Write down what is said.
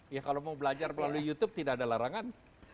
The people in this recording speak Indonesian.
ya kalau mau belajar melalui youtube tidak ada larangan